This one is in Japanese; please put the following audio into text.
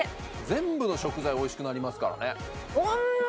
全部の食材おいしくなりますからねうん！